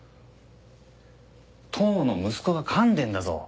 当の息子がかんでるんだぞ。